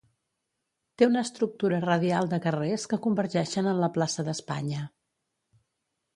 Té una estructura radial de carrers que convergeixen en la plaça d'Espanya.